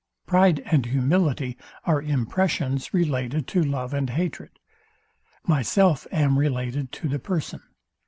Pride and humility are impressions related to love and hatred. Myself am related to the person.